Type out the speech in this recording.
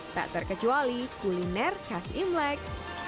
tak terkecuali kuliner khas imlek